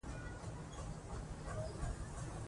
وردګ ولايت مرکز میدان ښار دي